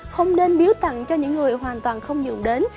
không nên biếu tặng cho những người hoàn toàn không dùng đến